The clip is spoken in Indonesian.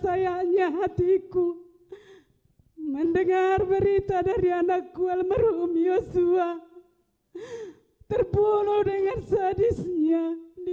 sayangnya hatiku mendengar berita dari anakku almarhum yosua terpuluh dengan sadisnya di